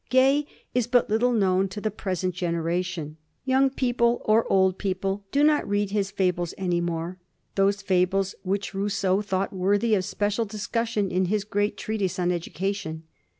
Gay is but little known to the present generation. Young people or old people do not read his fables any more — those fables which Bousseau thought worthy of special discussion in his great treatise on Education.